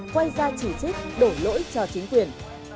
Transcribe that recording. quay ra chỉ trích đổ lỗi cho chính quyền